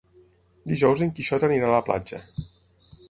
Dijous en Quixot anirà a la platja.